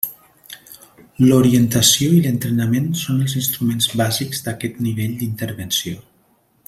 L'orientació i l'entrenament són els instruments bàsics d'aquest nivell d'intervenció.